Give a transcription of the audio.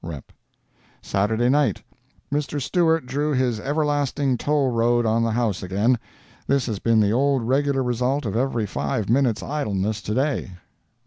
—REP.] Saturday Night [Mr. Stewart drew his everlasting toll road on the House again. This has been the old regular result of every five minutes idleness to day.